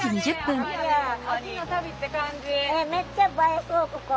めっちゃ映えそうここ。